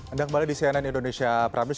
anda kembali di cnn indonesia prime news